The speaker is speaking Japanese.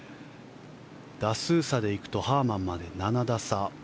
打数差で行くとハーマンまで７打差。